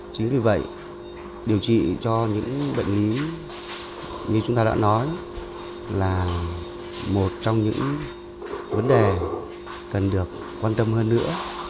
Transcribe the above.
chính vì vậy điều trị cho những bệnh lý như chúng ta đã nói là một trong những vấn đề cần được quan tâm hơn nữa